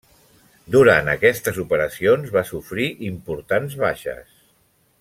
Durant aquestes operacions va sofrir importants baixes.